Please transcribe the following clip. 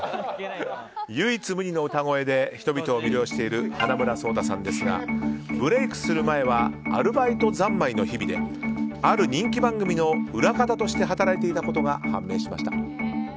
唯一無二の歌声で人々を魅了している花村想太さんですがブレークする前はアルバイトざんまいの日々である人気番組の裏方として働いていたことが判明しました。